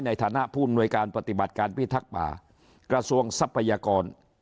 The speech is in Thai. ในฐานะผู้อำนวยการปฏิบัติการพิทักษ์ป่ากระทรวงทรัพยากร